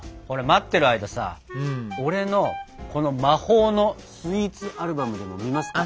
待ってる間さ俺のこの魔法のスイーツアルバムでも見ますか？